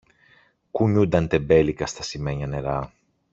κουνιούνταν τεμπέλικα στ' ασημένια νερά